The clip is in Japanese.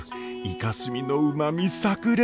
イカスミのうまみさく裂！